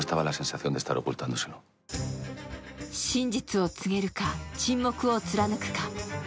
真実を告げるか、沈黙を貫くか。